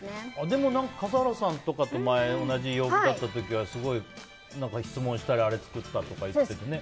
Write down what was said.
でも笠原さんとかと前に同じ曜日だった時はすごい、質問したりあれ作ったって言ったりね。